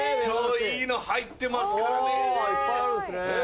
今日いいの入ってますからね。